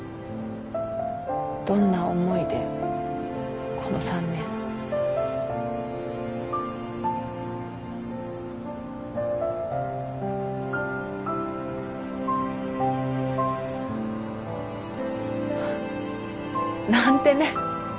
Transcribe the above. どんな思いでこの３年。なんてね。